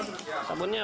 kita pakai samunnya nih